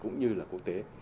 cũng như là quốc tế